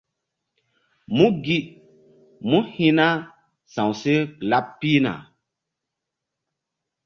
Mu gi mú hi̧ na sawseh laɓ pihna.